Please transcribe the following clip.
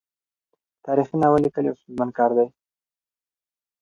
تاریخي ناول لیکل یو ستونزمن کار دی.